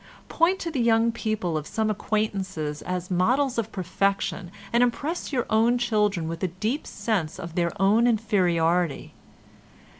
Point to the young people of some acquaintances as models of perfection and impress your own children with a deep sense of their own inferiority.